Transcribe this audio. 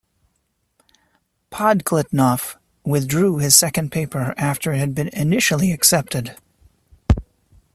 Podkletnov withdrew his second paper after it had been initially accepted.